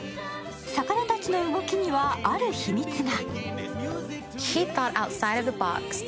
魚たちの動きにはある秘密が。